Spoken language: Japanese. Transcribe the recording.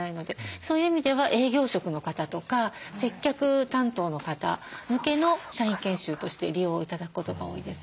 そういう意味では営業職の方とか接客担当の方向けの社員研修として利用頂くことが多いです。